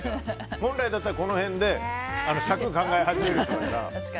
本来だったらこの辺で尺を考え始めるから。